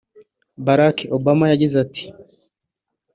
Barack Obama yagize ati